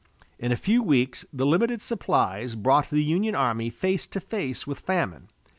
In a few weeks the limited supplies brought the Union army face to face with famine.